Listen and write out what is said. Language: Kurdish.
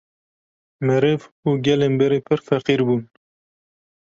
Meriv û gelên berê pir feqîr bûn